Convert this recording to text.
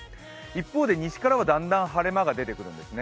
一方で西からは、だんだん晴れ間が出てくるんですね。